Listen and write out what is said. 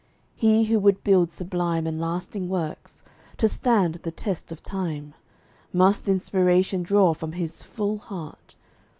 He who would build sublime And lasting works, to stand the test of time, Must inspiration draw from his full heart.